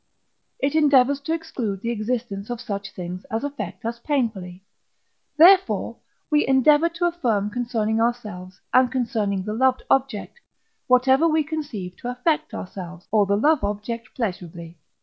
it endeavours to exclude the existence of such things as affect us painfully; therefore, we endeavour to affirm concerning ourselves, and concerning the loved object, whatever we conceive to affect ourselves, or the love object pleasurably.